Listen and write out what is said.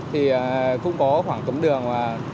thì cũng có khoảng tống đường